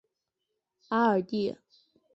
阿尔蒂。